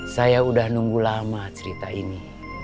saya sudah nunggu lama cerita ini